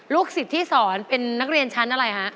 สิทธิ์ที่สอนเป็นนักเรียนชั้นอะไรฮะ